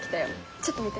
ちょっと見て。